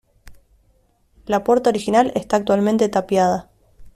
La puerta original está actualmente tapiada.